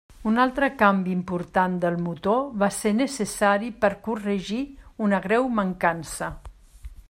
Un altre canvi important del motor va ser necessari per corregir una greu mancança.